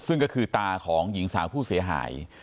ซึ่งก็คือตาของหญิงสาวผู้เสียหาย